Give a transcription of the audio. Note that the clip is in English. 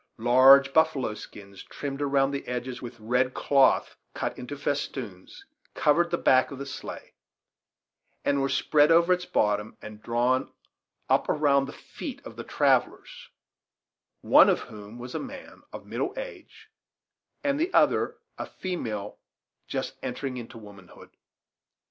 Large buffalo skins trimmed around the edges with red cloth cut into festoons, covered the back of the sleigh, and were spread over its bottom and drawn up around the feet of the travellers one of whom was a man of middle age and the other a female just entering upon womanhood.